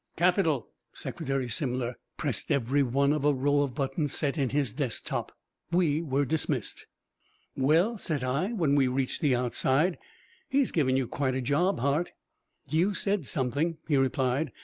"Capital!" Secretary Simler pressed every one of a row of buttons set in his desk top. We were dismissed. "Well," said I, when we reached the outside, "he has given you quite a job, Hart!" "You said something," he replied.